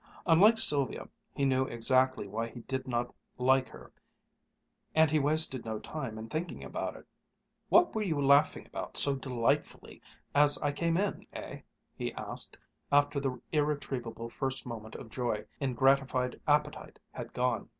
Unlike Sylvia he knew exactly why he did not like her and he wasted no time in thinking about it. "What were you laughing about, so delightfully, as I came in, eh?" he asked, after the irretrievable first moment of joy in gratified appetite had gone.